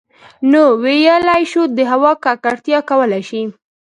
نـو ٫ويلـی شـوو د هـوا ککـړتـيا کـولی شـي